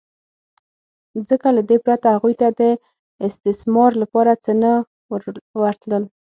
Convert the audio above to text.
ځکه له دې پرته هغوی ته د استثمار لپاره څه نه ورتلل